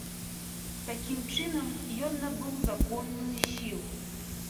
Такім чынам ён набыў законную сілу.